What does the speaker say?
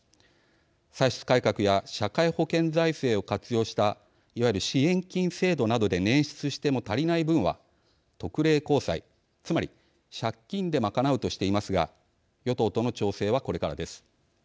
歳出改革や、社会保険財政を活用したいわゆる支援金制度などで捻出しても足りない分は特例公債、つまり借金で賄うとしていますが与党との調整はこれからです。